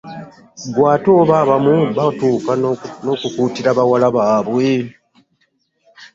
Ggwe ate oba abamu batuuka n’okukuutira bawala baabwe.